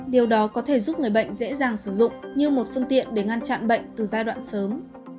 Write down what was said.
điều đó có thể giúp người bệnh dễ dàng sử dụng như một phương tiện để ngăn chặn bệnh từ giai đoạn sớm